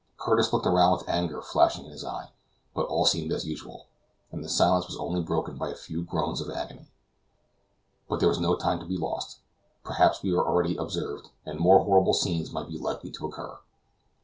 Curtis looked around with anger flashing in his eye; but all seemed as usual, and the silence was only broken by a few groans of agony. But there was no time to be lost; perhaps we were already observed, and more horrible scenes might be likely to occur.